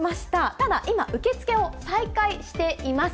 ただいま、受け付けを再開しています。